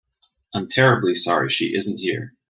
I'm terribly sorry she isn't here.